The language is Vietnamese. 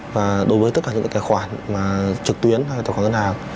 và đối với tất cả những tài khoản trực tuyến hay tài khoản ngân hàng